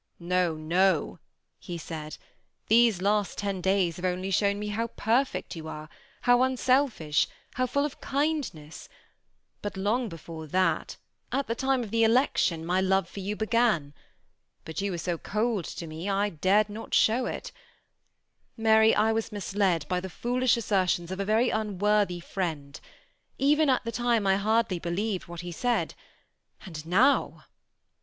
^ No, no," he said ;^ these last ten days have only shown me how perfect you are — how unselfish — how full of kindness ; but long before that, at the time of the election, my love, for yoii began; but yon were so cold to. me, I dared not show it Mary, I was misled by the foolish assertions of a very unworthy friend. Even at the time I hardly believed what ha' said ; and now